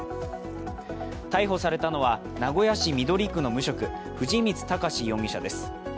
逮捕されたのは、名古屋市緑区の無職、藤光孝志容疑者です。